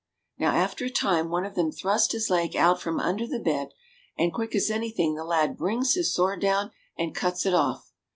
Now after a time one of them thrust his leg out from under the bed, and quick as anything the lad brings his sword down, and cuts it off.